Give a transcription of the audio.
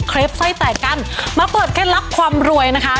เคล็บไส้แตกกันมาเปิดแค่ลักษณ์ความรวยนะคะ